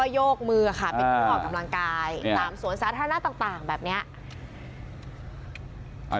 โยกมือค่ะเป็นผู้ออกกำลังกายตามสวนสาธารณะต่างแบบนี้